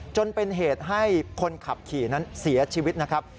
จนเป็นเหตุให้คนขับขี่นั้นเสียชีวิตนะครับ